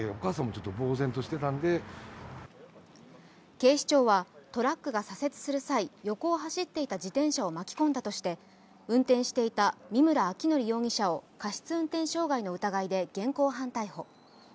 警視庁はトラックが左折する際、横を走っていた自転車を巻き込んだとして巻き込んだとして、運転していた見村彰紀容疑者を過失運転傷害の疑いで現行犯逮捕。